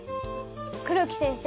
黒木先生